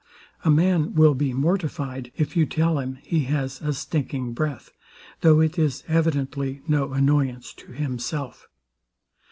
A man will be mortified, if you tell him he has a stinking breath; though it is evidently no annoyance to himself.